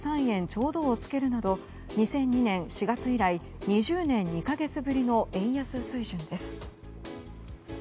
ちょうどをつけるなど２００２年４月以来２０年２か月ぶりの円安水準です。